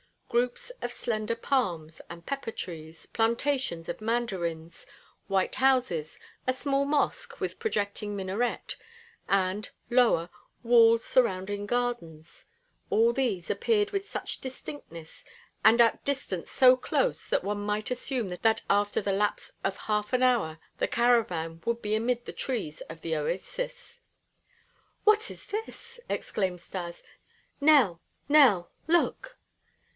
Groups of slender palms and pepper trees, plantations of mandarins, white houses, a small mosque with projecting minaret, and, lower, walls surrounding gardens, all these appeared with such distinctness and at distance so close that one might assume that after the lapse of half an hour the caravan would be amid the trees of the oasis. "What is this?" exclaimed Stas. "Nell, Nell! Look!"